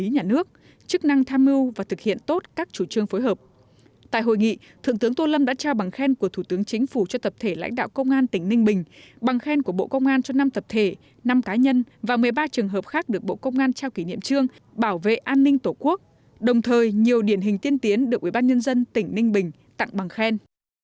nước chức năng tham mưu và thực hiện tốt các chủ trương phối hợp tại hội nghị thượng tướng tô lâm đã trao bằng khen của thủ tướng chính phủ cho tập thể lãnh đạo công an tỉnh ninh bình bằng khen của bộ công an cho năm tập thể năm cá nhân và một mươi ba trường hợp khác được bộ công an trao kỷ niệm trương bảo vệ an ninh tổ quốc đồng thời nhiều điển hình tiên tiến được ubnd tỉnh ninh bình tặng bằng khen